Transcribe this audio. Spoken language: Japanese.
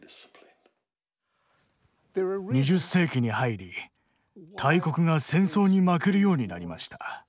２０世紀に入り大国が戦争に負けるようになりました。